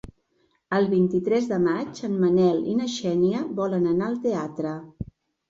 El vint-i-tres de maig en Manel i na Xènia volen anar al teatre.